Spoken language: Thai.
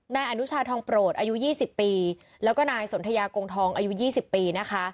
นายอนุชาทองปรดอายุยี่สิบปีแล้วก็นายสนทยากงทองอายุยี่สิบปีนะคะ